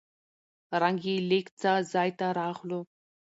رنګ يې لېږ څه ځاى ته راغلو.